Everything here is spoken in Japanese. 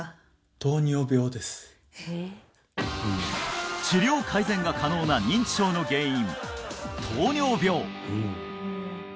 糖尿病です治療改善が可能な認知症の原因